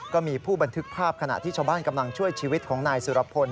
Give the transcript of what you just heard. ก็มีผู้บันทึกภาพขณะที่ชาวบ้านกำลังช่วยชีวิตของนายสุรพล